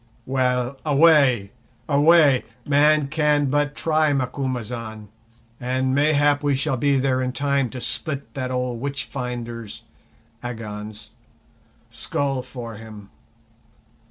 Well—away! away! man can but try, Macumazahn; and mayhap we shall be there in time to split that old 'witch finder's' [Agon's] skull for him.